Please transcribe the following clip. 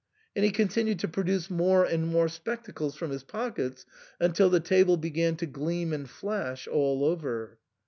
And he continued to produce more and more spectacles from his pockets until the table began to gleam and flash all over.